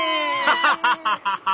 アハハハ！